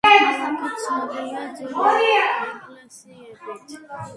ქალაქი ცნობილია ძველი ეკლესიებით.